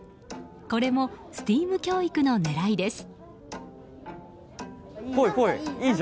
これもＳＴＥＡＭ教育の狙いです。